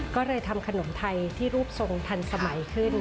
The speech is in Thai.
ก็เลยทำขนมไทยที่รูปทรงทันสมัยขึ้น